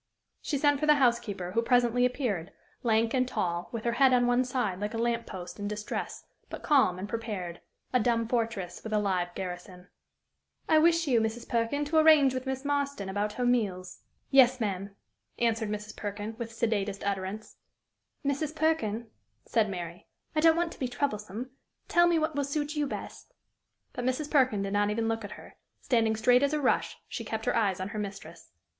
She sent for the housekeeper, who presently appeared lank and tall, with her head on one side like a lamp post in distress, but calm and prepared a dumb fortress, with a live garrison. "I wish you, Mrs. Perkin, to arrange with Miss Marston about her meals." "Yes, ma'am," answered Mrs. Perkin, with sedatest utterance. "Mrs. Perkin," said Mary, "I don't want to be troublesome; tell me what will suit you best." But Mrs. Perkin did not even look at her; standing straight as a rush, she kept her eyes on her mistress.